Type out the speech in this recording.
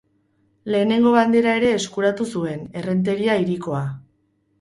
Lehenengo bandera ere eskuratu zuten, Errenteria Hirikoa.